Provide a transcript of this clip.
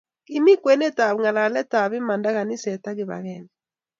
Kimi kwenet ab ngalalet ab imanda kaniset ak kipangenge